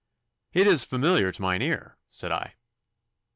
'It is familiar to mine ear,' said I.